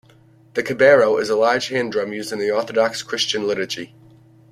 The "kebero" is a large hand drum used in the Orthodox Christian liturgy.